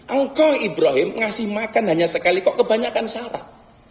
engkau ibrahim ngasih makan hanya sekali kok kebanyakan syarat